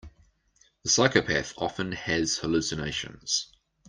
The psychopath often has hallucinations.